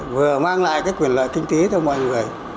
vừa mang lại cái quyền lợi kinh tế cho mọi người